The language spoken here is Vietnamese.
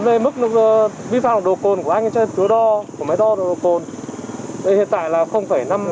mình thổi thế được không